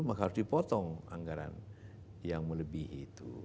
maka harus dipotong anggaran yang melebihi itu